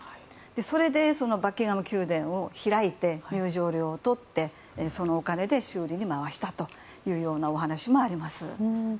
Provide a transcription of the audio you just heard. それでバッキンガム宮殿を開いて入場料を取ってそのお金を修理に回したというお話もあります。